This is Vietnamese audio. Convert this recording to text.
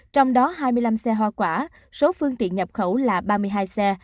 trong đó hai mươi năm xe hoa quả số phương tiện nhập khẩu là ba mươi hai xe